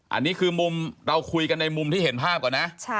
อันนี้คือมุมเราคุยกันในมุมที่เห็นภาพก่อนนะ